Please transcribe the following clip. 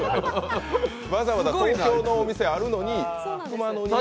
わざわざ、東京のお店があるのに、熊野に行って。